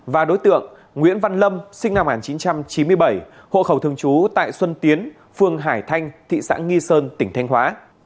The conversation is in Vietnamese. và đối tượng nguyễn văn lâm sinh năm một nghìn chín trăm chín mươi bảy hộ khẩu thường trú tại xuân tiến phường hải thanh thị xã nghi sơn tỉnh thanh hóa